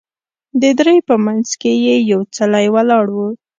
د درې په منځ کې یې یو څلی ولاړ و.